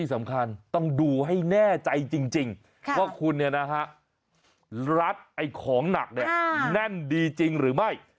สำคัญต้องดูให้แน่ใจจริงว่าคุณเนี่ยนะฮะรัดไอ้ของหนักเนี่ยแน่นดีจริงหรือไม่